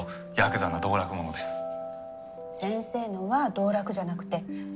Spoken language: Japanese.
先生のは道楽じゃなくて芸術でしょ。